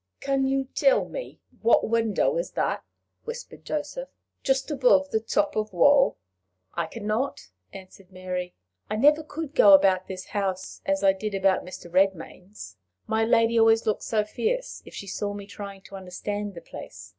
"Can you tell me what window is that," whispered Joseph, "just above the top of the wall?" "I can not," answered Mary. "I never could go about this house as I did about Mr. Redmain's; my lady always looked so fierce if she saw me trying to understand the place.